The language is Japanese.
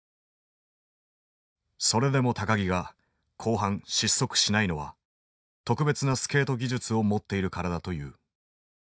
それでも木が後半失速しないのは特別なスケート技術を持っているからだという。